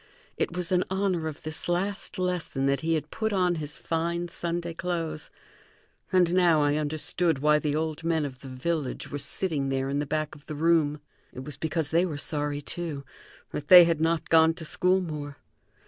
It was in honor of this last lesson that he had put on his fine Sunday clothes, and now I understood why the old men of the village were sitting there in the back of the room. It was because they were sorry, too, that they had not gone to school more.